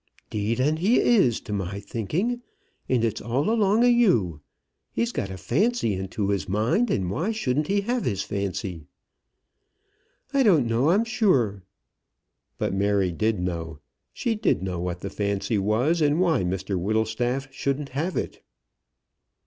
"'Deed and he is, to my thinking; and it's all along of you. He's got a fancy into his mind, and why shouldn't he have his fancy?" "I don't know, I'm sure." But Mary did know. She did know what the fancy was, and why Mr Whittlestaff shouldn't have it.